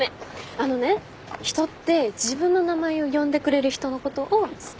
あのね人って自分の名前を呼んでくれる人のことを好きになるんだって。